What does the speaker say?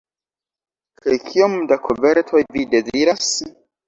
Kaj kiom da kovertoj vi deziras?